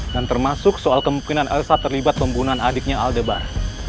dan termasuk soal kemungkinan elsa terlibat pembunuhan adiknya aldebar